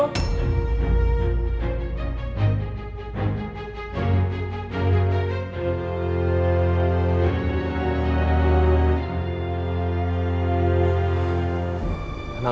gue gak pernah bilang